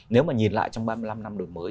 nếu mà nhìn lại trong ba mươi năm năm đổi mới